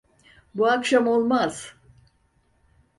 Bu akşam olmaz.